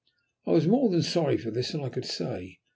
I was more sorry for this than I could say.